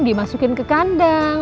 dimasukin ke kandang